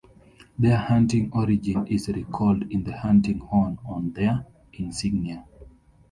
Their hunting origin is recalled in the hunting horn on their insignia.